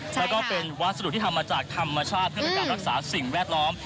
แล้วก็เป็นวัสดุที่ทำมาจากธรรมชาติเพื่อเป็นการรักษาสิ่งแวดล้อม